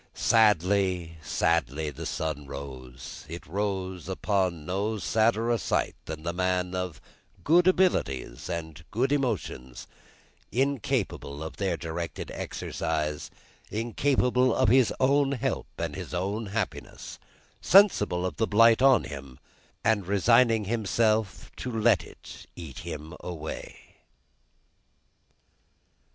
Sadly, sadly, the sun rose; it rose upon no sadder sight than the man of good abilities and good emotions, incapable of their directed exercise, incapable of his own help and his own happiness, sensible of the blight on him, and resigning himself to let it eat him away.